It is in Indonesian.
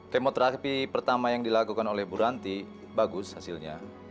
kemoterapi pertama yang dilakukan oleh bu ranti bagus hasilnya